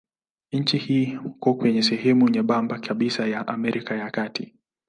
Nchi iko kwenye sehemu nyembamba kabisa ya Amerika ya Kati.